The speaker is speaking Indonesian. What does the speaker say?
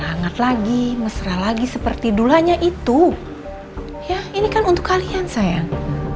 hangat lagi mesra lagi seperti dulanya itu ya ini kan untuk kalian sayang